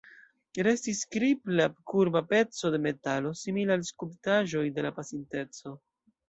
Restis kripla kurba peco de metalo, simila al skulptaĵoj de la pasinteco.